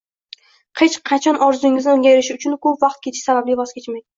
Hech qachon orzuingizdan unga erishish uchun ko’p vaqt ketishi sababli voz kechmang